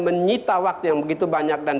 menyita waktu yang begitu banyak dan